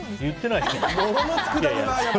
言ってないです。